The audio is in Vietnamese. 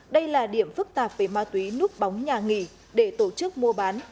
đây là điểm phức tạp về ma túy núp bóng nhà nghỉ để tổ chức mua bán